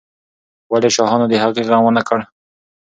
ولې شاهانو د هغې غم ونه کړ؟